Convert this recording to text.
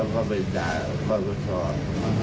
มันก็ไปด่าข้อต่อชอบ